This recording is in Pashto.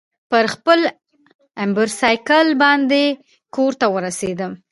پر خپل امبرسایکل باندې کورته ورسېد.